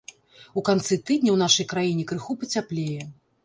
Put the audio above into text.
У канцы тыдня ў нашай краіне крыху пацяплее.